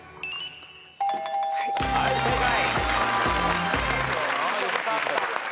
はい正解。